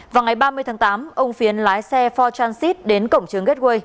vào ngày ba mươi tháng tám ông phiến lái xe for transit đến cổng trường gateway